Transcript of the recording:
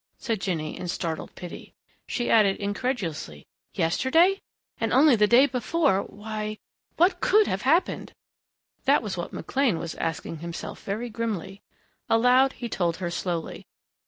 said Jinny in startled pity. She added incredulously, "Yesterday?... And only the day before why, what could have happened?" That was what McLean was asking himself very grimly. Aloud he told her slowly.